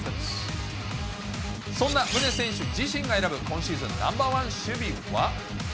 そんな宗選手自身が選ぶ、今シーズンのＮｏ．１守備は。